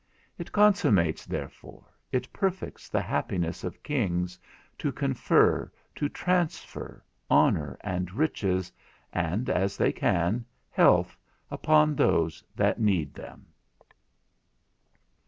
It consummates therefore, it perfects the happiness of kings, to confer, to transfer, honour and riches, and (as they can) health, upon those that need them.